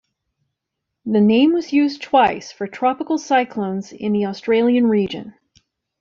The name was used twice for tropical cyclones in the Australian region.